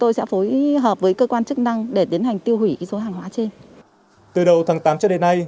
từ năm hai nghìn tám cho đến nay